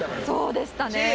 そうでしたね。